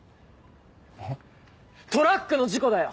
えっ？トラックの事故だよ。